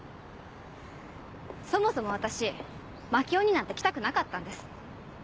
そもそも私槙尾になんて来たくなかったんです。